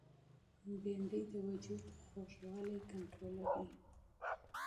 بېنډۍ د وجود خوږوالی کنټرولوي